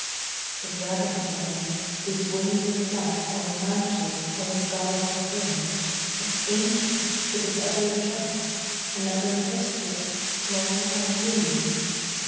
The dragon fly, whose wings of black Are mantle for his garb of green, Is Ancient to this other Jack, Another Pistol, long and lean.